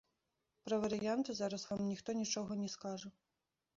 Пра варыянты зараз вам ніхто нічога не скажа.